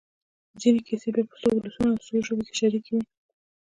ځينې کیسې بیا په څو ولسونو او څو ژبو کې شریکې وي.